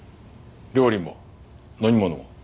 料理も飲み物も。